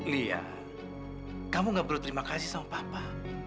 lia kamu nggak perlu terima kasih sama papa